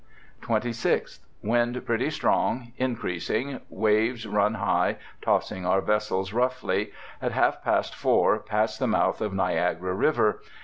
'" 26th. — Wind pretty strong — increasing — waves run high, tossing our vessels roughly. At half past four pass the mouth of Niagara river.